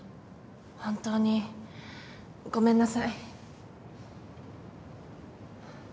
本当にごめんなさい。